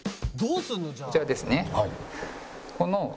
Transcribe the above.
「どうすんの？